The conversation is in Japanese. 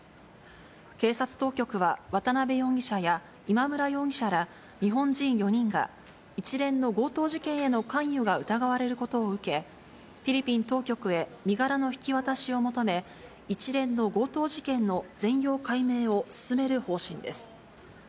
警察当局は渡辺容疑者や、今村容疑者ら日本人４人が、一連の強盗事件への関与が疑われることを受け、フィリピン当局へ身柄の引き渡しを求め、一連の強盗事件の全容解明を進める方針です。